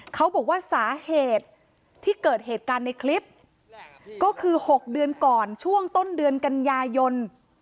เขาบอกว่าสาเหตุที่เกิดเหตุการณ์ในคลิปก็คือ๖เดือนก่อนช่วงต้นเดือนกันยายน